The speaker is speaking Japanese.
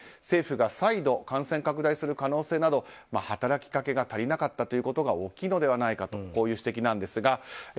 政府が再度感染拡大する可能性など働きかけが足りなかったということが大きいのではないかという指摘なんですが。